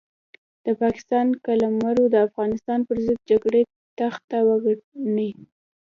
د پاکستان قلمرو د افغانستان پرضد د جګړې تخته وګڼي.